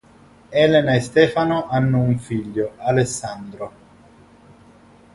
Elena e Stefano hanno un figlio: Alessandro.